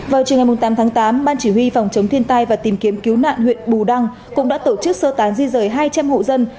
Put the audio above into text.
vào chiều ngày tám tháng tám ban chỉ huy phòng chống thiên tai và tìm kiếm cứu nạn huyện bù đăng cũng đã tổ chức sơ tán di rời hai trăm linh hộ dân